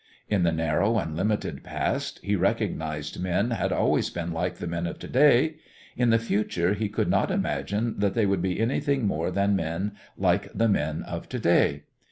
In the narrow and limited past he recognized men had always been like the men of to day; in the future he could not imagine that they would be anything more than men like the men of to day.